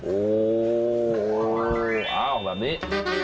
โอ้โหอ้าวแบบนี้